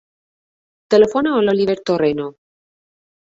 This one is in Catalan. Telefona a l'Oliver Torrero.